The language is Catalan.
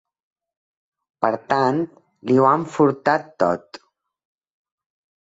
Per tant, li ho han furtat tot.